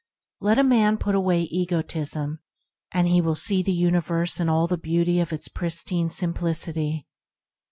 Let a man put away egotism, and he will see the universe in all the beauty of its pristine simplicity.